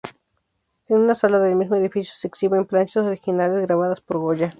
En una sala del mismo edificio se exhiben planchas originales grabadas por Goya.